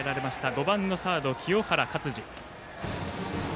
５番のサード、清原勝児。